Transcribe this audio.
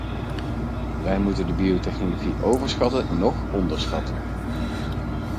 Wij moeten de biotechnologie overschatten noch onderschatten.